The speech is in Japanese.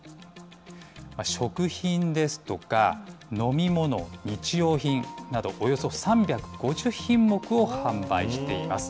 食品ですとか飲み物、日用品など、およそ３５０品目を販売しています。